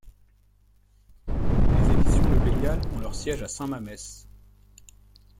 Les éditions Le Bélial' ont leur siège à Saint-Mammès.